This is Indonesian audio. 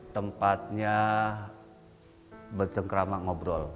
tempatnya bercengkramak ngobrol